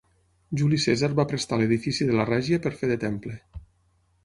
Juli Cèsar va prestar l'edifici de la Règia per fer de temple.